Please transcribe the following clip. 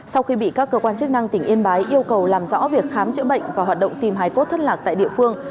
sau khi bị các cơ quan chức năng tỉnh yên bái yêu cầu làm rõ việc khám chữa bệnh và hoạt động tìm hải cốt thất lạc tại địa phương